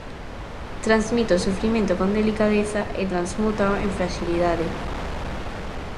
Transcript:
Transmite o sufrimento con delicadeza e transmútao en fraxilidade.